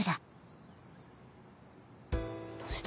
どうした？